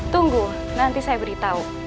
tunggu nanti saya beritahu